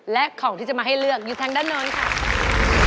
และของที่จะมาให้เลือกอยู่ทางด้านโน้นค่ะ